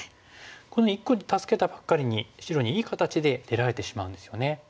この１個を助けたばっかりに白にいい形で出られてしまうんですよね。